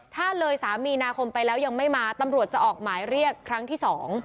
ถ้าเลย๓มีนาคมไปแล้วยังไม่มาตำรวจจะออกหมายเรียกครั้งที่๒